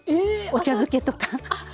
お茶漬けとか。